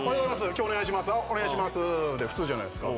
今日お願いします」で普通じゃないですか。